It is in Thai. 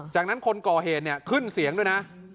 จากนั้นคนก่อเหตุเนี่ยขึ้นเสียงด้วยนะ